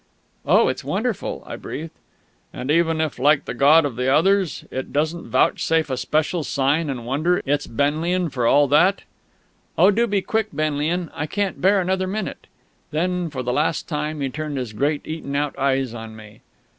"Oh, it's wonderful!" I breathed. "And even if, like the God of the others, it doesn't vouchsafe a special sign and wonder, it's Benlian, for all that?" "Oh, do be quick, Benlian! I can't bear another minute!" Then, for the last time, he turned his great eaten out eyes on me.